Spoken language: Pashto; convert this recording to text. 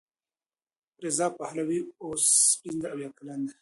رضا پهلوي اوس پنځه اویا کلن دی.